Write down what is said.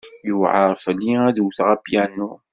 Yewɛeṛ fell-i ad wteɣ apyanu.